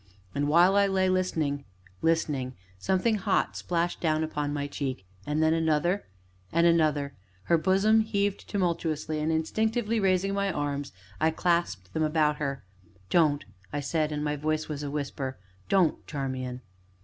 And while I lay listening, listening, something hot splashed down upon my cheek, and then another, and another; her bosom heaved tumultuously, and instinctively, raising my arms, I clasped them about her. "Don't!" I said, and my voice was a whisper; "don't, Charmian!"